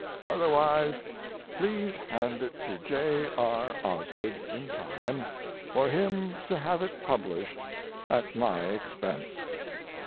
Otherwise, please hand it to J. R. Osgood in time for him to have it published at my expense.